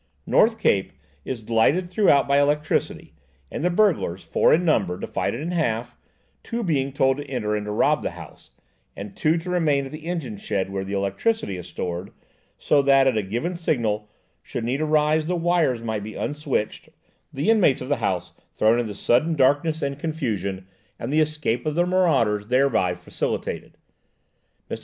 'North Cape' is lighted throughout with electricity, and the burglars, four in number, divided in half–two being told off to enter and rob the house, and two to remain at the engine shed, where the electricity is stored, so that, at a given signal, should need arise, the wires might be unswitched, the inmates of the house thrown into sudden darkness and confusion, and the escape of the marauders thereby facilitated. Mr.